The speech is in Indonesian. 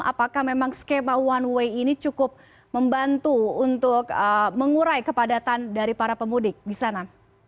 apakah memang skema one way ini cukup membantu untuk mengurai kepadatan dari para pemudik di sana